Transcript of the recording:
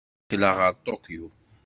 Ssakleɣ ɣer Tokyo.